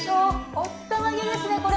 おったまげですねこれ。